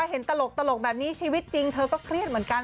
เห็นตลกแบบนี้ชีวิตจริงเธอก็เครียดเหมือนกัน